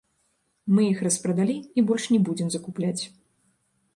Мы іх распрадалі і больш не будзем закупляць.